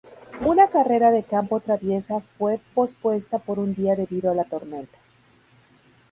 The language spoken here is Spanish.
Una carrera de campo traviesa fue pospuesta por un día debido a la tormenta.